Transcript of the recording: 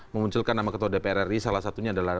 memunculkan nama ketua dpr ri salah satunya adalah